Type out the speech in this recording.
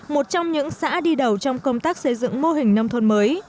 một trong những xã đi đầu trong công tác xây dựng mô hình nông thôn mới